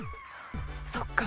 そっか！